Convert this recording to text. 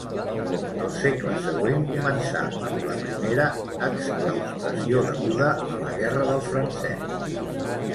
El segle següent començà amb la primera exclaustració, deguda a la guerra del Francès.